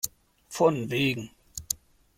Von wegen!